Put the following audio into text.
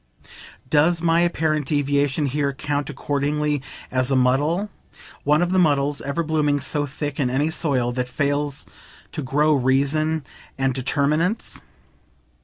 Does my apparent deviation here count accordingly as a muddle? one of the muddles ever blooming so thick in any soil that fails to grow reasons and determinants.